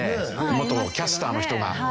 元キャスターの人が。